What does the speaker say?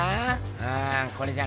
うんこれじゃねえ。